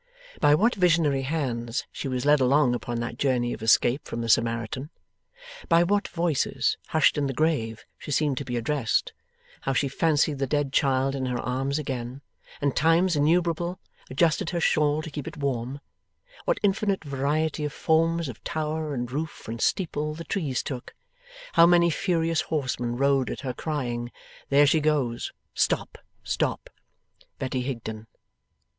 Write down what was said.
By what visionary hands she was led along upon that journey of escape from the Samaritan; by what voices, hushed in the grave, she seemed to be addressed; how she fancied the dead child in her arms again, and times innumerable adjusted her shawl to keep it warm; what infinite variety of forms of tower and roof and steeple the trees took; how many furious horsemen rode at her, crying, 'There she goes! Stop! Stop, Betty Higden!